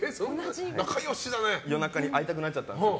夜中に会いたくなっちゃったんです。